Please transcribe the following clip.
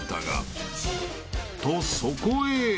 ［とそこへ］